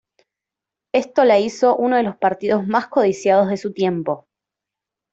Esto la hizo uno de los partidos más codiciados de su tiempo.